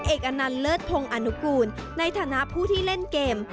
อนันต์เลิศพงศ์อนุกูลในฐานะผู้ที่เล่นเกม